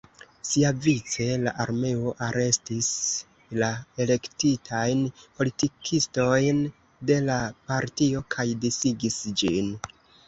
Siavice, la armeo arestis la elektitajn politikistojn de la partio kaj disigis ĝin.